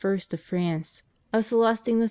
of France; of Celestine III.